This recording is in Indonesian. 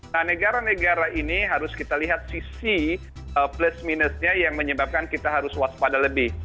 nah negara negara ini harus kita lihat sisi plus minusnya yang menyebabkan kita harus waspada lebih